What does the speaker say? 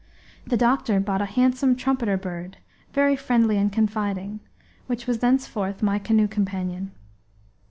The doctor bought a handsome trumpeter bird, very friendly and confiding, which was thenceforth my canoe companion.